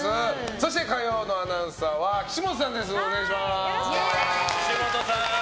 そして火曜のアナウンサーは岸本さんです。